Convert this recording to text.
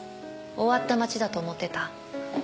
終わった町だと思ってた？